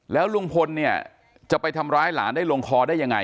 แล้วลุงพลเนี่ยจะไปทำร้ายหลานได้ลงคอได้ยังไง